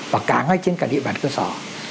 và cả ngay trên cả địa bàn cơ sở